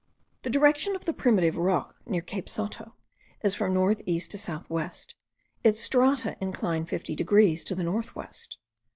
The direction of the primitive rock near Cape Sotto is from north east to south west; its strata incline fifty degrees to the north west.